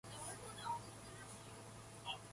Birds also have a variance in wing beat frequency.